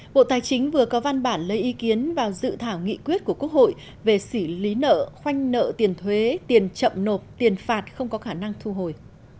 bộ tài chính vừa có văn bản lấy ý kiến vào dự thảo nghị quyết của quốc hội về xử lý nợ khoanh nợ tiền thuế tiền chậm nộp tiền phạt không có khả năng thu hồi